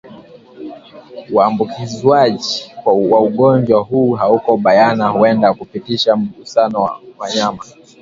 Uambukizwaji wa ugonjwa huu hauko bayana huenda kupitia mgusano wa wanyama